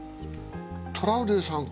トラウデンさん